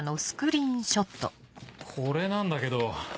これなんだけど。